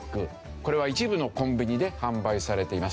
これは一部のコンビニで販売されています。